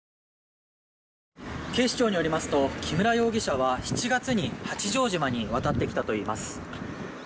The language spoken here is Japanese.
警視庁によりますと木村容疑者は７月に、八丈島に渡ってきたといいます。